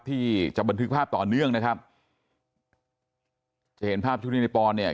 ที่จะบันทึกภาพต่อเนื่องนะครับจะเห็นภาพช่วงที่ในปอนเนี่ย